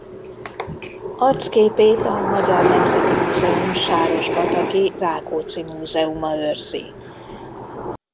Arcképét a Magyar Nemzeti Múzeum sárospataki Rákóczi Múzeuma őrzi.